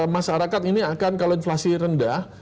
masyarakat ini akan kalau inflasi rendah